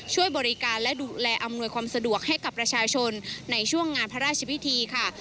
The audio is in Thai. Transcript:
ช่วยบริการและดูแลอำนวยความสะดวกให้กับประชาชนในช่วงงานพระราชพิธีค่ะ